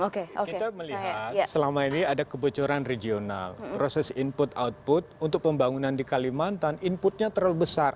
kita melihat selama ini ada kebocoran regional proses input output untuk pembangunan di kalimantan inputnya terlalu besar